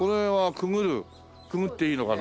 くぐっていいのかな？